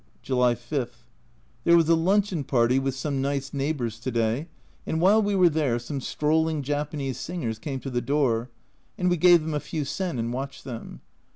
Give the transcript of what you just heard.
July 5. There was a luncheon party with some nice neighbours to day, and while we were there some strolling Japanese singers came to the door, and we gave them a few sen and watched them.